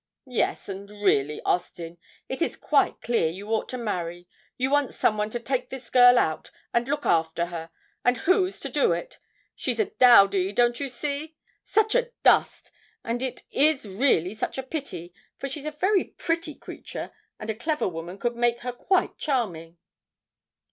'Yes, and really, Austin, it is quite clear you ought to marry; you want some one to take this girl out, and look after her, and who's to do it? She's a dowdy don't you see? Such a dust! And it is really such a pity; for she's a very pretty creature, and a clever woman could make her quite charming.'